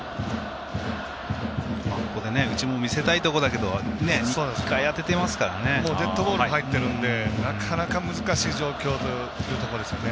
ここで内も見せたいところだけどデッドボール入ってるんでなかなか難しい状況というところですよね。